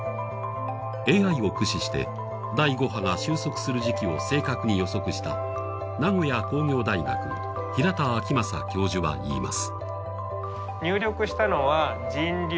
ＡＩを駆使して第５波が収束する時期を正確に予測した名古屋工業大学、平田晃正教授は言います。